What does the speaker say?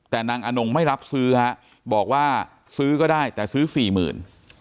แต่นางอนงไม่รับซื้อฮะบอกว่าซื้อก็ได้แต่ซื้อสี่หมื่น